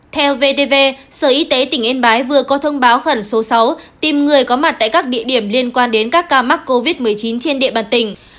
theo vtv sở y tế tỉnh yên bái vừa có thông báo khẩn số sáu tìm người có mặt tại các địa điểm liên quan đến các ca mắc covid một mươi chín trên địa bàn tỉnh